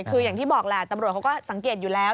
คืออย่างที่บอกแหละตำรวจเขาก็สังเกตอยู่แล้ว